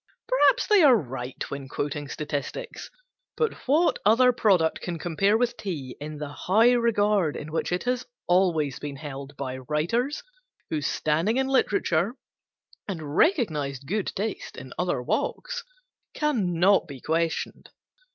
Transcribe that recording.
Perhaps they are right when quoting statistics. But what other product can compare with tea in the high regard in which it has always been held by writers whose standing in literature, and recognized good taste in other walks, cannot be questioned?